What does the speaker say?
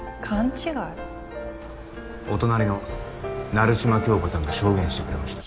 お隣の鳴島響子さんが証言してくれました。